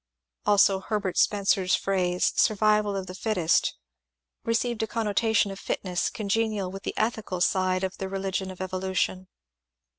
Also Herbert Spencer's phrase, " survival of the fittest," re ceived a connotation of ^^ fitness " congenial with the ethical side of the Religion of Evolution.